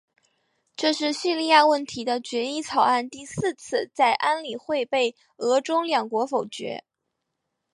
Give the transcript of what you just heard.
这是叙利亚问题的决议草案第四次在安理会被俄中两国否决。